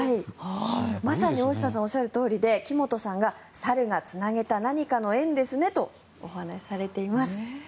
まさに大下さんがおっしゃるとおりで木本さんが猿がつなげた何かの縁ですねとお話しされています。